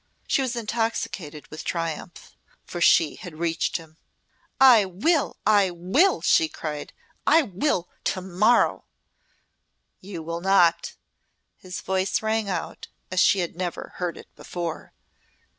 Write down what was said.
She was intoxicated with triumph for she had reached him. "I will! I will!" she cried. "I will to morrow!" "You will not!" his voice rang out as she had never heard it before.